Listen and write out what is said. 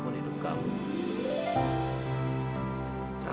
aku selalu mencintai kamu